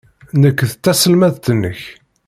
Nekk d taselmadt-nnek.